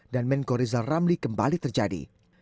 dan menko rizal ramli kembali terjadi